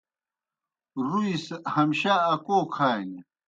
رُوئی سہ ہمشہ اکو کھانیْ۔